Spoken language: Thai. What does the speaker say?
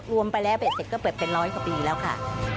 รวมไปแล้วเบ็ดเสร็จก็เปิดเป็นร้อยกว่าปีแล้วค่ะ